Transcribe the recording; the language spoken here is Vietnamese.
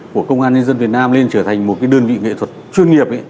của công an nhân dân việt nam lên trở thành một cái đơn vị nghệ thuật chuyên nghiệp